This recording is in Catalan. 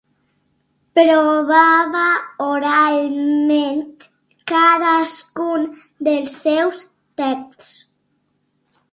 Provava oralment cadascun dels seus texts.